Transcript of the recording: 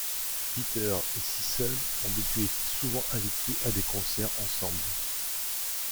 Peter et Sissel ont depuis été souvent invités à des concerts ensemble.